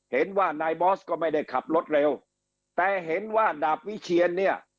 เห็นว่านายบอสก็ไม่ได้ขับรถเร็วแต่เห็นว่าดาบวิเชียนเนี่ย